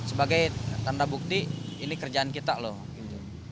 sebagai tanda bukti ini kerjaan kita loh gitu